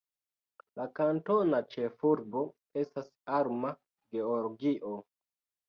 La kantona ĉefurbo estas Alma, Georgio.